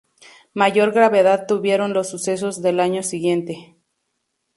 Mayor gravedad tuvieron los sucesos del año siguiente.